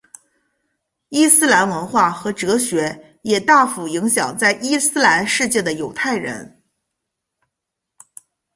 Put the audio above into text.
伊斯兰文化和哲学也大幅影响在伊斯兰世界的犹太人。